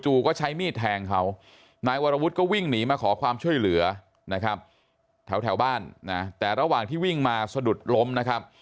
ก็ใช้มีดแทงเขานายวรวุฒิก็วิ่งหนีมาขอความช่วยเหลือนะครับแถวบ้านนะแต่ระหว่างที่วิ่งมาสะดุดล้มนะครับ